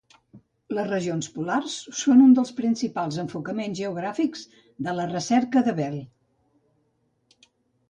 Les regions polars són un dels principals enfocaments geogràfics de la recerca de Bell.